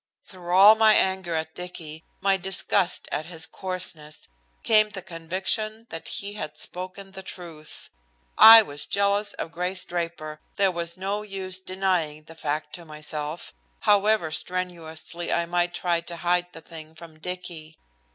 Through all my anger at Dicky, my disgust at his coarseness, came the conviction that he had spoken the truth. I was jealous of Grace Draper, there was no use denying the fact to myself, however strenuously I might try to hide the thing from Dicky.